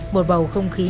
một bầu không khí